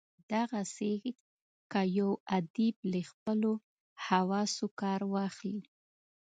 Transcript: دغسي که یو ادیب له خپلو حواسو کار واخلي.